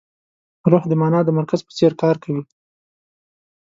روح د مانا د مرکز په څېر کار کوي.